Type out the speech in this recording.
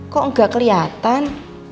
kok nggak kelihatan